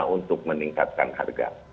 sama untuk meningkatkan harga